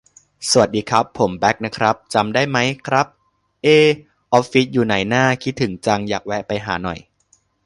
สวัสดีครับ ผมแบ่คนะครับ จำได้มั๊ยครับ เอ๊ ออฟฟิศอยู่ไหนน้า คิดถึงจัง อยากแวะไปหาหน่อย